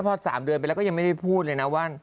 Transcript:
พอ๓เดือนไปแล้วก็ยังไม่ได้พูดเลยนะว่า